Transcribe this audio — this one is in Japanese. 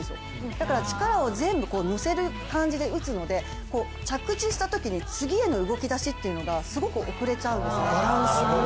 だから力を全部乗せる感じで打つので、着地したときに次への動きだしっていうのがすごく遅れちゃうんです。